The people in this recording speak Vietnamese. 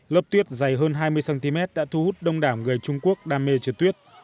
lớp tuyết dày hơn hai mươi cm đã thu hút đông đảo người trung quốc đam mê trượt tuyết